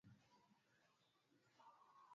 Mto Malagarasi unavukwa na madaraja kadhaa